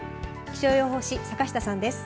気象予報士、坂下さんです。